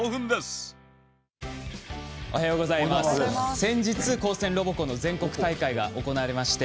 先日、高専ロボコンの全国大会が行われました。